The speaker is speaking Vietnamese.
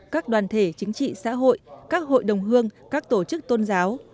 các đoàn thể chính trị xã hội các hội đồng hương các tổ chức tôn giáo